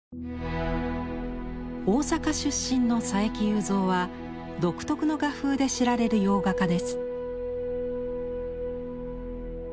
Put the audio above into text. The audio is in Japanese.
大阪出身の佐伯祐三は独特の画風で知られる洋画家です。